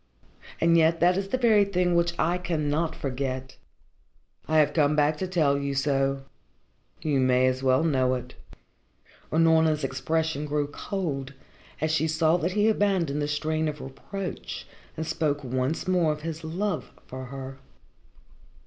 And yet that is the very thing which I cannot forget. I have come back to tell you so. You may as well know it." Unorna's expression grew cold, as she saw that he abandoned the strain of reproach and spoke once more of his love for her.